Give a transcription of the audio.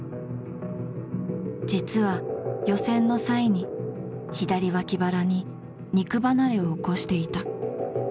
実は予選の際に左脇腹に肉離れを起こしていた。